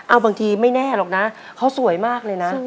เอาบางทีไม่แน่หรอกนะเขาสวยมากเลยนะ